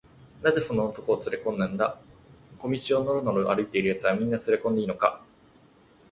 「なぜその男をつれこんだんだ？小路をのろのろ歩いているやつは、みんなつれこんでいいのか？」